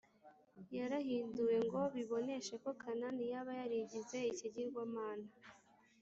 yarahinduwe ngo biboneshe ko kanani yaba yarigize ikigirwamana.